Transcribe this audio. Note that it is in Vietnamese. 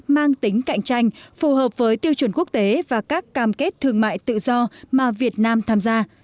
mang tính cạnh tranh phù hợp với tiêu chuẩn quốc tế và các cam kết thương mại tự do mà việt nam tham gia